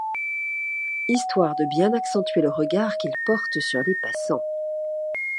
histoire de bien accentuer le regard qu'il porte sur les passants.